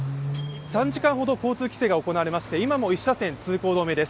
３時間ほど交通規制が行われまして、今も１車線、通行止めです。